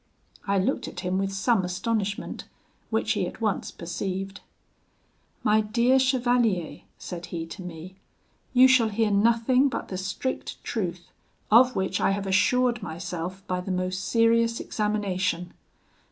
I looked at him with some astonishment, which he at once perceived. "'My dear chevalier,' said he to me, 'you shall hear nothing but the strict truth, of which I have assured myself by the most serious examination.